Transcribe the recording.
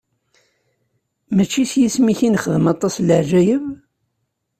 Mačči s yisem-ik i nexdem aṭas n leɛǧayeb?